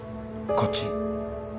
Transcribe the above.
こっち？